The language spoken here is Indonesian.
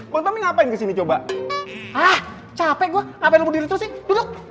bangtami ngapain kesini coba capek gue ngapain berdiri terus nih duduk